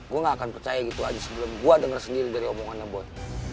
gue gak akan percaya gitu aja sebelum gue denger sendiri dari omongannya bot